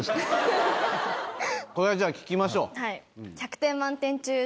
これじゃあ聞きましょう。